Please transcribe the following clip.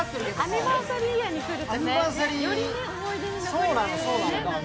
アニバーサリーイヤーに来るとより思い出に残りますからね。